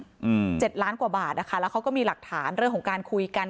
อืมเจ็ดล้านกว่าบาทอ่ะค่ะแล้วเขาก็มีหลักฐานเรื่องของการคุยกัน